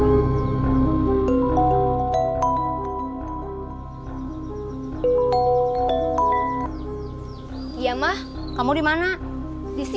ibu sama anak saya gak ada